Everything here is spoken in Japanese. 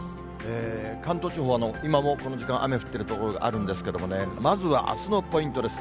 関東地方、今もこの時間、雨降っている所があるんですけれどもね、まずはあすのポイントです。